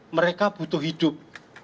mereka butuh hidup